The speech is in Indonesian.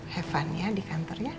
have fun ya di kantor ya